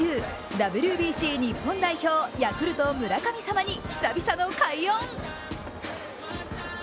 ＷＢＣ日本代表、ヤクルト村神様に久々の快音。